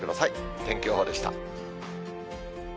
天気予報でした。